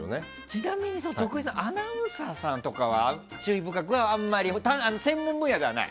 ちなみに徳井さんアナウンサーさんとかは注意深くはあまり？